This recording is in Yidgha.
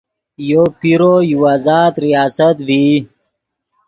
یو پیرو یو آزاد ریاست ڤئی